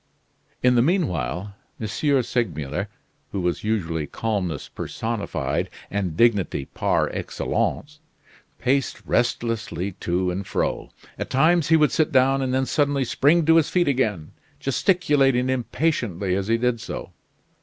In the mean while, M. Segmuller who was usually calmness personified, and dignity par excellence, paced restlessly to and fro. At times he would sit down and then suddenly spring to his feet again, gesticulating impatiently as he did so.